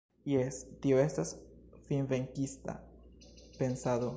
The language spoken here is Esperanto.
Jes, tio estas finvenkista pensado.